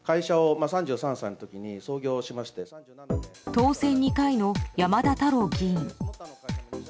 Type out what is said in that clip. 当選２回の山田太郎議員。